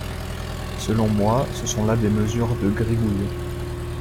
Selon moi, ce sont là des mesures de gribouille.